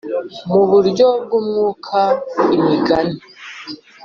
mu buryo bw umwuka Imigani